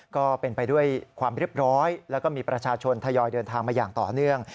ก็เป็นไปด้วยความเรียบร้อยแล้วก็มีประชาชนทยอยเดินทางมาอย่างต่อเนื่อง